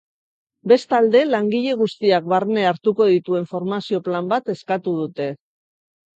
Bestalde, langile guztiak barne hartuko dituen formazio plan bat eskatu dute.